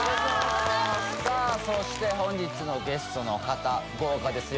さあそして本日のゲストの方豪華ですよ